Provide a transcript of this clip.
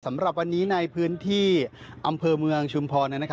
สำหรับวันนี้ในพื้นที่อำเภอเมืองชุมพร